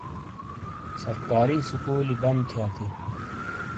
سرکارسے سکولی بند تھیا تھیئی